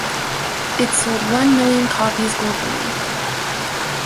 It sold one million copies globally.